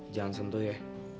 jangan sentuh ya